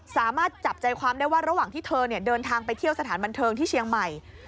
สามารถจับใจความได้ว่าระหว่างที่เธอเดินทางไปเที่ยวสถานบันเทิงที่เชียงใหม่